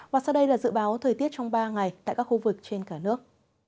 và sau đây là dự báo thời tiết trong ba ngày tại các khu vực trên cả nước